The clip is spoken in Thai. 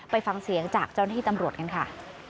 ไปฟังเสียงจากเจ้าหน้าที่ตำรวจกันค่ะ